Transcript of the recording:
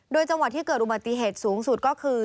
โดยจังหวัดที่เกิดอุบัติเหตุสูงสุดก็คือ